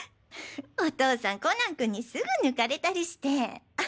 お父さんコナン君にすぐ抜かれたりして。